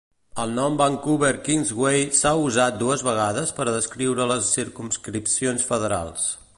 El nom "Vancouver Kingsway" s'ha usat dues vegades per a descriure les circumscripcions federals.